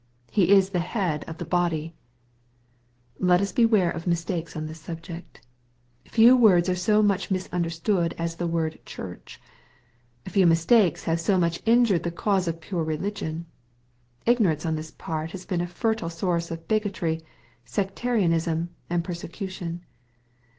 « He is the head of the body." (Col. i. 180"" Let us beware of mistakes on this subject. Few words are so much misunderstood as the word " Church." Few mistakes have so much injured the cause of pure religion. Ignorance on this point has been a fertile source of bigotry, sectarianism, and persecution.